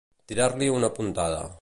Tirar-li una puntada.